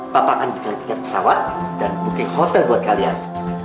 papa akan bikin pesawat dan booking hotel buat kalian